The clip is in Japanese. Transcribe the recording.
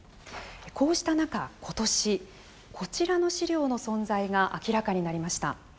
こうした中、今年こちらの資料の存在が明らかになりました。